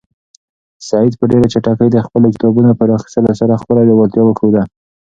سعید په ډېرې چټکۍ د خپلو کتابونو په راخیستلو سره خپله لېوالتیا وښوده.